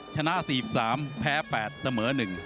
ชนะ๔๓แพ้๘เสมอ๑